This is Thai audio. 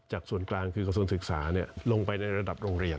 ส่วนกลางคือกระทรวงศึกษาลงไปในระดับโรงเรียน